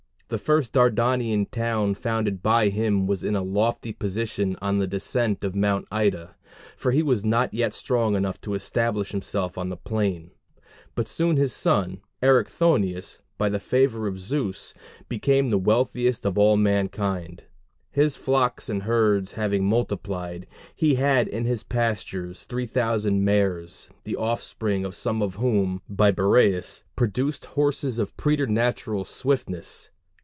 The first Dardanian town founded by him was in a lofty position on the descent of Mount Ida; for he was not yet strong enough to establish himself on the plain. But his son Erichthonius, by the favor of Zeus, became the wealthiest of mankind. His flocks and herds having multiplied, he had in his pastures three thousand mares, the offspring of some of whom, by Boreas, produced horses of preternatural swiftness.